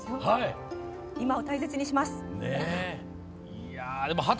今を大切にします！